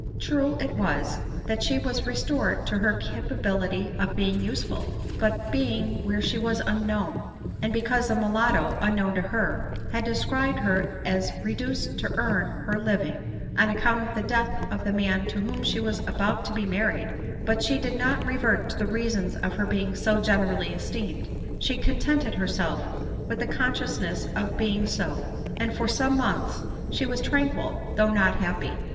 True it was, that she was restored to her capability of being useful, by being where she was unknown ; and be cause the mulatto, unknown to her, had described her as reduced to earn her living, on account of the death of , the man to whom she was about to be married ; but she did not revert to the reasons of her being so generally • esteemed ; she contented herself with the consciousness of being so ; and for some months she was tranquil, though not happy.